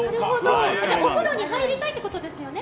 お風呂に入りたいということですよね？